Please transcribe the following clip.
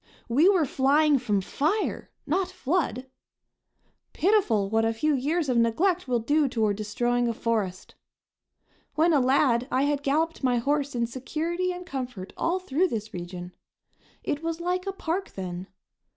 We were flying from fire, not flood! Pitiful what a few years of neglect will do toward destroying a forest! When a lad I had galloped my horse in security and comfort all through this region. It was like a park then.